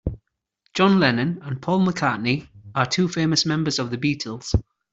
John Lennon and Paul McCartney are two famous members of the Beatles.